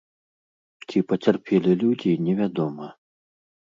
Ці пацярпелі людзі, невядома.